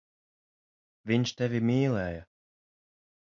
Viņš tevi mīlēja.